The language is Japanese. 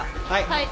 はい。